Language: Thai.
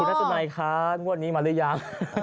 พุทธสุนัยค่ะงวดนี้มาหรือยัง